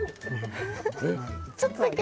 ちょっとだけ。